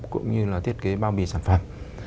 cũng như là thiết kế bao bì sản phẩm